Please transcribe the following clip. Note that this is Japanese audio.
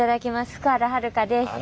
福原遥です。